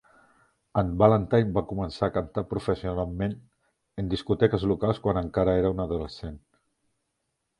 En Valentine va començar a cantar professionalment en discoteques locals quan encara era un adolescent.